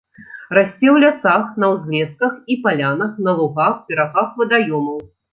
Расце ў лясах, на ўзлесках і палянах, на лугах, берагах вадаёмаў.